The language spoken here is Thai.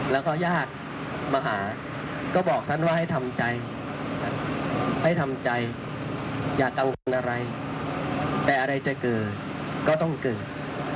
แล้วก็ญาติมาหาก็บอกท่านว่าให้ทำใจให้ทำใจอย่ากังวลอะไรแต่อะไรจะเกิดก็ต้องเกิด